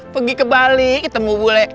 pergi ke bali ketemu bule